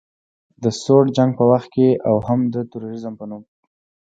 د سوړ جنګ په وخت کې او هم د تروریزم په نوم